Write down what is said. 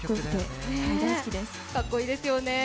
かっこいいですよね。